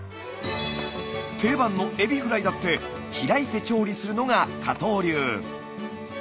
定番のエビフライだって開いて調理するのが加藤流。